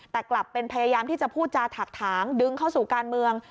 แต่กลับเป็นพยายามที่จะพูดจาถักถางดึงเข้าสู่การเมือง